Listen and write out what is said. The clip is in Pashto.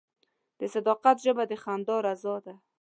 د صداقت ژبه د خدای رضا ده.